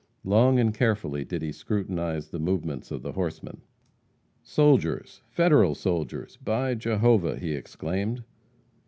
Long and carefully did he scrutinize the movements of the horsemen. "Soldiers Federal soldiers by Jehovah!" he exclaimed.